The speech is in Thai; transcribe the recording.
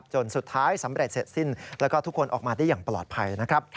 จนสุดท้ายสำเร็จเสร็จสิ้นแล้วก็ทุกคนออกมาได้อย่างปลอดภัยนะครับ